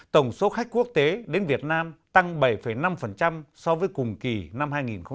tổng số khách quốc tế đến việt nam tăng bảy năm so với cùng kỳ năm hai nghìn một mươi tám